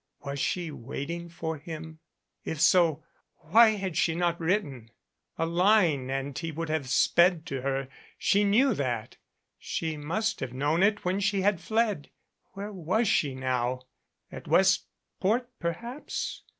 Was she waiting for him? If so, why had she not written? A line, and he would have sped to her. She knew that. She must have known it when she had fled. Where was she now? At Westport, perhaps?